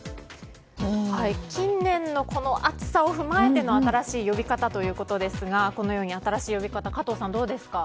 近年の暑さを踏まえての新しい呼び方ということですがこのように新しい呼び方加藤さん、どうですか？